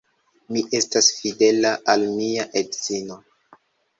Mi estas fidela al mia edzino.